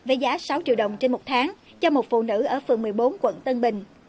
với giá sáu triệu đồng trên một tháng cho một phụ nữ ở phường một mươi bốn quận tân bình